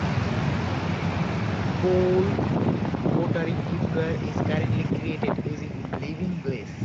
Poole Pottery giftware is currently created using "Living Glaze".